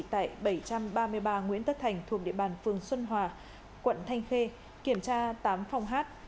tại bảy trăm ba mươi ba nguyễn tất thành thuộc địa bàn phường xuân hòa quận thanh khê kiểm tra tám phòng hát